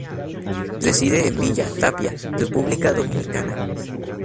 Reside en Villa Tapia, República Dominicana.